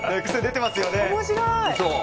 面白い！